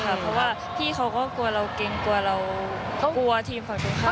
เพราะว่าพี่เขาก็กลัวเราเกรงกลัวเราก็กลัวทีมฝั่งตรงข้าม